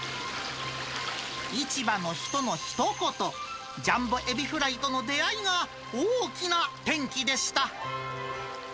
市場の人のひと言、ジャンボえびフライとの出会いが、大きな転機でした。